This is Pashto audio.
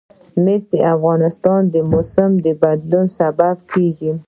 مس د افغانستان د موسم د بدلون سبب کېږي.